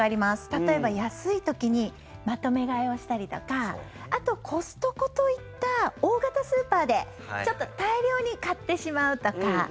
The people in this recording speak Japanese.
例えば、安い時にまとめ買いをしたりとかあと、コストコといった大型スーパーでちょっと大量に買ってしまうとか。